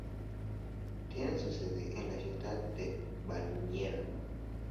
Tiene su sede en la ciudad de Valmiera.